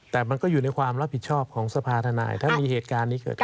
แต่มันก็อยู่ในความรับผิดชอบของสภาธนายถ้ามีเหตุการณ์นี้เกิดขึ้น